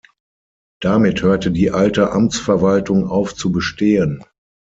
Damit hörte die alte Amtsverwaltung auf zu bestehen.